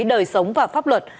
đời sống và pháp luật